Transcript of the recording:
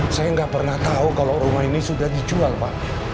saya nggak pernah tahu kalau rumah ini sudah dijual pak